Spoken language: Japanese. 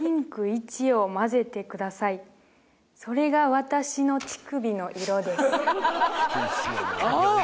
「それが私の乳首の色です」